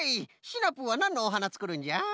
シナプーはなんのおはなつくるんじゃ？